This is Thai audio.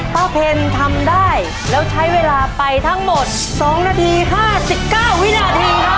เพลทำได้แล้วใช้เวลาไปทั้งหมด๒นาที๕๙วินาทีครับ